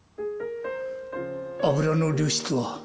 油の流出は？